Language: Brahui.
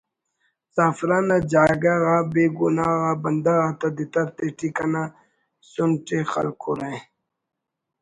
زعفران نا جاگہ غا بے گناہ غا بندغ آتا دتر تیٹی کنا سنٹ ءِ خلکرہ